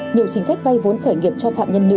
nhiều chính sách vay vốn khởi nghiệp cho phạm nhân nữ